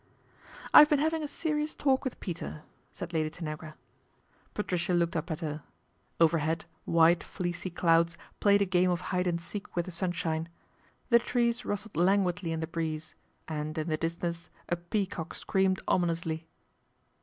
" I've been having a serious talk with Peter," said Lady Tanagra. Patricia looked up at her. Overhead white, fleecy clouds played a game of hide and seek with the sunshine. The trees rustled languidly in the breeze, and in the distance a peacock screamed ominously.